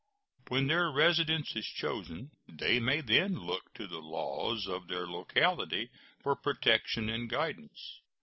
When their residence is chosen, they may then look to the laws of their locality for protection and guidance.